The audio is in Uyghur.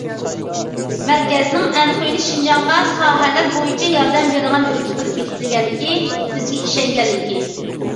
مەركەزنىڭ ئەنخۇينى شىنجاڭغا ساھەلەر بويىچە ياردەم بېرىدىغان ئۆلكە قىلىپ بېكىتكەنلىكى بىزگە ئىشەنگەنلىكى.